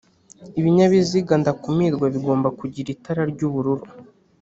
Ibinyabiziga ndakumirwa bigomba kugira itara ry'ubururu